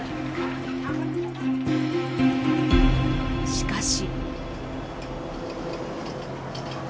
しかし。